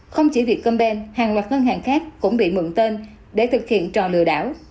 không chỉ vietcomben hàng loạt ngân hàng khác cũng bị mượn tên để thực hiện trò lừa đảo